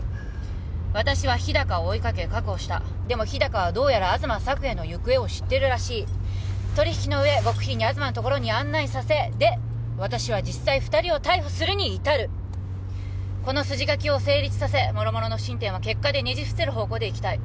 私は日高を追いかけ確保したでも日高はどうやら東朔也の行方を知ってるらしい取り引きの上極秘裏に東んところに案内させで私は実際二人を逮捕するに至るこの筋書きを成立させもろもろの不審点は結果でねじ伏せる方向でいきたい